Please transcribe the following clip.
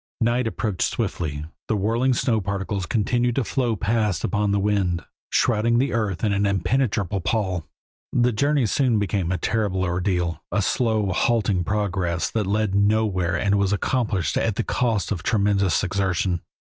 Night approached swiftly, the whirling snow particles continued to flow past upon the wind, shrouding the earth in an impenetrable pall. The journey soon became a terrible ordeal, a slow, halting progress that led nowhere and was accomplished at the cost of tremendous exertion.